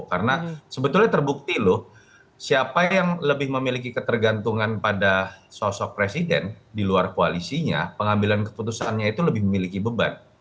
karena sebetulnya terbukti loh siapa yang lebih memiliki ketergantungan pada sosok presiden di luar koalisinya pengambilan keputusannya itu lebih memiliki beban